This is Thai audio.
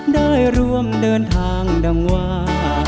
ได้ร่วมเดินทางดังวา